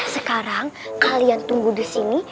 sekarang kalian tunggu di sini